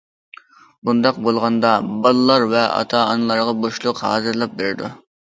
بۇنداق بولغاندا بالىلار ۋە ئاتا- ئانىلارغا بوشلۇق ھازىرلاپ بېرىدۇ.